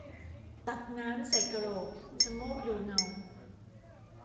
ตักน้ำใส่กระโหลก ชะโงกดูเงา